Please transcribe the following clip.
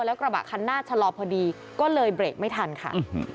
แล้วกระบะคันหน้าชะลอพอดีก็เลยเบรกไม่ทันค่ะ